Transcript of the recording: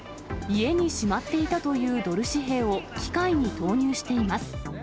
家にしまっていたというドル紙幣を機械に投入しています。